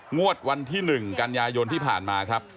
งวดวันที่๑กันยายนที่ผ่านมาครับ